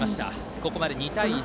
ここまで２対１。